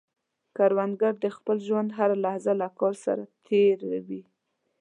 کروندګر د خپل ژوند هره لحظه له کار سره تېر وي